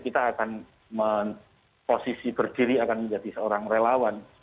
kita akan posisi berdiri akan menjadi seorang relawan